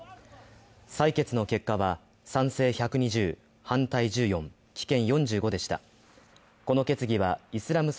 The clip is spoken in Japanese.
採決の結果は賛成１２０、反対１４棄権４５でした。